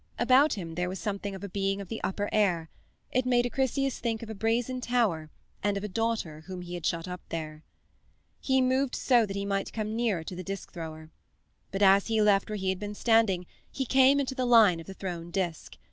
About him there was something of a being of the upper air; it made Acrisius think of a brazen tower and of a daughter whom he had shut up there. He moved so that he might come nearer to the disk thrower. But as he left where he had been standing he came into the line of the thrown disk.